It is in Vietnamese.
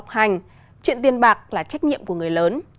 chuyện tiền bạc là trách nhiệm của người lớn